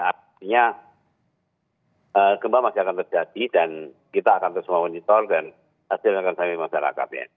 artinya gempa masih akan terjadi dan kita akan terus menunjukkan dan hasilnya akan terjadi di masyarakat